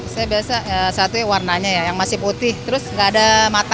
saya biasa satu warnanya yang masih putih terus gak ada matanya